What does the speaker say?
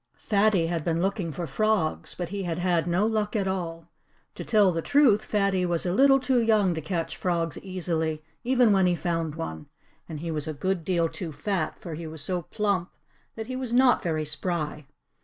Fatty had been looking for frogs, but he had had no luck at all. To tell the truth, Fatty was a little too young to catch frogs easily, even when he found one; and he was a good deal too fat, for he was so plump that he was not very spry.